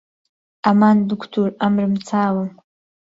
ئامان دوکتور عەمرم چاوم